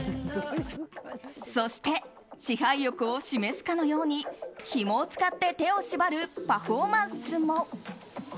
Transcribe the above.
そして、支配欲を示すかのようにひもを使って手を縛るパフォーマンスも。